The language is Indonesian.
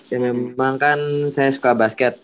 ya memang kan saya suka basket